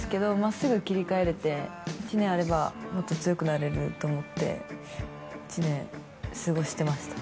すぐ切り替えられて１年あればもっと強くなれると思って１年過ごしてました